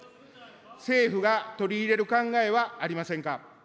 政府が取り入れる考えはありませんか。